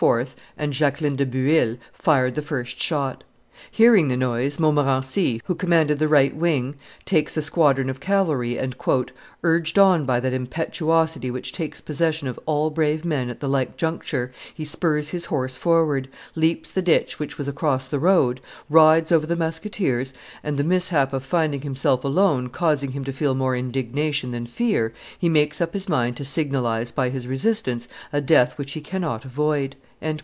and Jacqueline de Bueil, fired the first shot. Hearing the noise, Montmorency, who commanded the right wing, takes a squadron of cavalry, and, "urged on by that impetuosity which takes possession of all brave men at the like juncture, he spurs his horse forward, leaps the ditch which was across the road, rides over the musketeers, and, the mishap of finding himself alone causing him to feel more indignation than fear, he makes up his mind to signalize by his resistance a death which he cannot avoid."